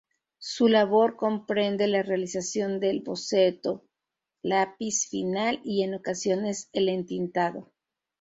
Su labor comprende la realización del boceto, lápiz final y en ocasiones el entintado.